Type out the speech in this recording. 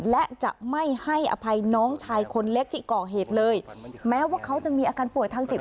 และจะไม่ให้อภัยน้องชายคนเล็กที่ก่อเหตุเลยแม้ว่าเขาจะมีอาการป่วยทางจิต